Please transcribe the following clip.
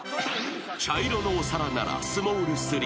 ［茶色のお皿ならスモール３］